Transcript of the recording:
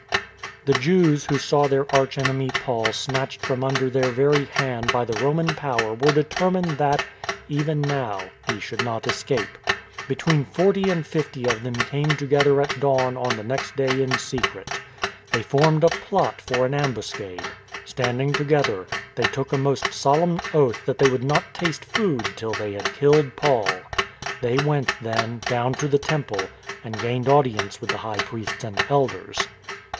The Jews who saw their archenemy Paul snatched from under their very hand by the Roman power were determined that, even now, he should not escape. "AWAY WITH HIM" 299 Between forty and fifty of them came together at dawn on the next day in secret. They formed a plot for an ambuscade. Standing together, they took a most solemn oath that they would not taste food till they had killed Paul. They went, then, down to the Temple and gained audience with the high priests and elders.